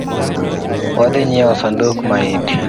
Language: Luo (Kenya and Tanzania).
Wadhi nyieo sanduk maiti